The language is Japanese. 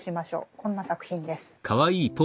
こんな作品です。